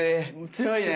強いね。